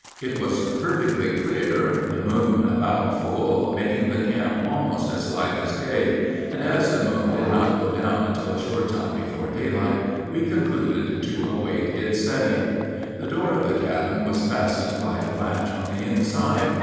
It was perfectly clear, the moon about full, making the camp almost as light as day; and as the moon did not go down until a short time before daylight, we concluded to await its setting. The door of the cabin was fastened by a latch on the inside.